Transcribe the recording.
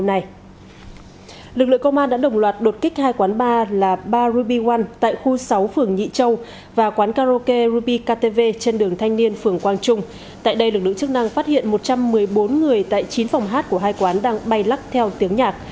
tại đây lực lượng chức năng phát hiện một trăm một mươi bốn người tại chín phòng hát của hai quán đang bay lắc theo tiếng nhạc